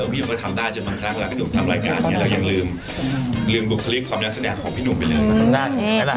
พี่หนุ่มก็ทำได้จนบางครั้งเวลาพี่หนุ่มทำรายการเนี่ยเรายังลืมบุคลิกความนักแสดงของพี่หนุ่มไปเลยนะครับ